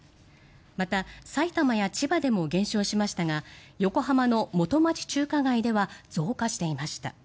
また、埼玉や千葉でも減少しましたが横浜の元町・中華街では増加していました。